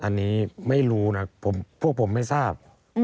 อันนี้ไม่รู้นะพวกผมไม่ทราบ